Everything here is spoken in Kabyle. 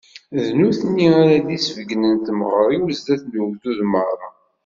D nutni ara d-isbeggnen temɣer-iw zdat n ugdud meṛṛa.